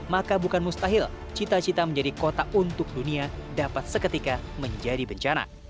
maka bukan mustahil cita cita menjadi kota untuk dunia dapat seketika menjadi bencana